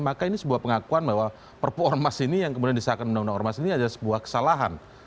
maka ini sebuah pengakuan bahwa perpu ormas ini yang kemudian disahkan undang undang ormas ini adalah sebuah kesalahan